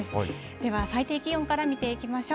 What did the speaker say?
では、最低気温から見ていきましょう。